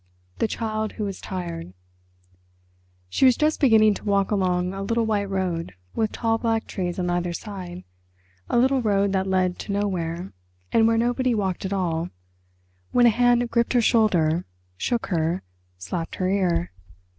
THE CHILD WHO WAS TIRED She was just beginning to walk along a little white road with tall black trees on either side, a little road that led to nowhere, and where nobody walked at all, when a hand gripped her shoulder, shook her, slapped her ear.